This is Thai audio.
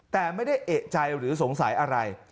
แต่ไม่ได้เอกใจหรือสงสัยอะไร